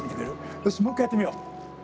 よしもう一回やってみよう。